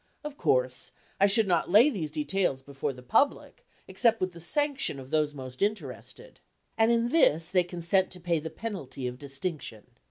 Of course I should not lay these details before the public, except with the sanction of those most interested. In this they consent to pay the penalty of distinction.